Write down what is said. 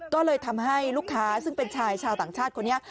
ก็เลยทำให้ลูกค้าซึ่งเป็นชายชาวต่างชาติคนนี้